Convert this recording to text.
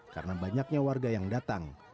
karena banyaknya warga yang datang